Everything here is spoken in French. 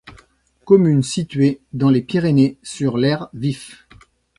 Commune située dans les Pyrénées sur l'Hers-Vif.